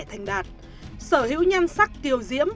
thành đạt sở hữu nhan sắc tiêu diễm